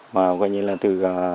mà coi như là từ